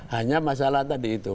hanya masalah tadi itu